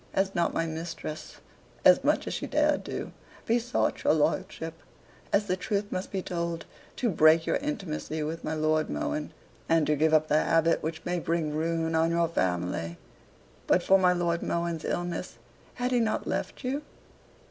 Has not my mistress, as much as she dared do, besought your lordship, as the truth must be told, to break your intimacy with my Lord Mohun; and to give up the habit which may bring ruin on your family? But for my Lord Mohun's illness, had he not left you?"